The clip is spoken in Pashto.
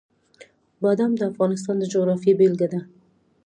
بادام د افغانستان د جغرافیې بېلګه ده.